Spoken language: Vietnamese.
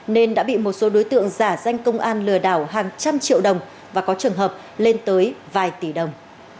nên đã bị một số đối tượng giả danh công an lừa đảo hàng trăm triệu đồng và có trường hợp lên tới vài tỷ đồng